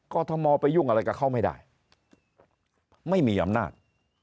ทมไปยุ่งอะไรกับเขาไม่ได้ไม่มีอำนาจ